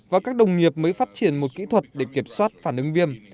và các đồng nghiệp mới phát triển một kỹ thuật để kiểm soát phản ứng viêm